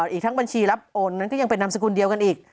อีกทั้งบัญชีรับโอนนั้นก็ยังเป็นนามสกุลเดียวกันอีก